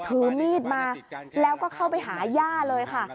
ถือมีดมาแล้วก็เข้าไปหาย่าเลยค่ะ